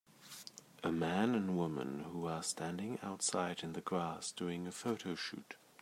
A man and woman who are standing outside in the grass doing a photo shoot.